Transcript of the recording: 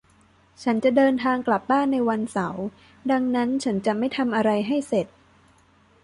ฉันจะเดินทางกลับบ้านในวันเสาร์ดังนั้นฉันจะไม่ทำอะไรให้เสร็จ